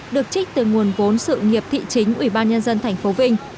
được trích từ nguồn vốn sự nghiệp thị chính ubnd tp vinh